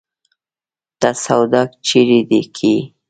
ته سودا چيري کيې؟